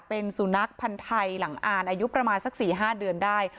เป็นสุนัขพันธ์ไทยหลังอ่านอายุประมาณสัก๔๕เดือนได้